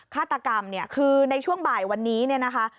ฆาตกรรมเนี่ยคือในช่วงบ่ายวันนี้เนี่ยนะคะ